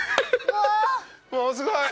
もうすごい。